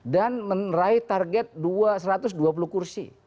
dan menerai target satu ratus dua puluh kursi